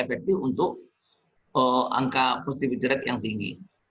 efektif untuk angka positivity rate yang tinggi